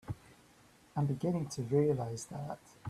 I'm beginning to realize that.